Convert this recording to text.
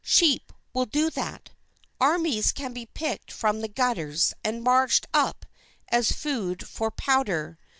Sheep will do that. Armies can be picked from the gutters, and marched up as food for powder.